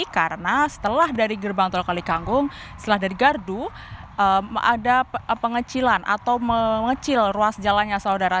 karena setelah dari gerbang tol kalikangkung setelah dari gardu ada pengecilan atau mengecil ruas jalan ya saudara